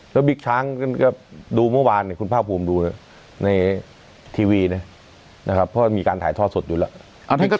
แล้วบิ๊กช้างก็ดูเมื่อวานคุณภาคภูมิดูในทีวีนะครับเพราะมีการถ่ายทอดสดอยู่แล้ว